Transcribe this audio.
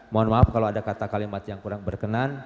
mohon maaf kalau ada kata kalimat yang kurang berkenan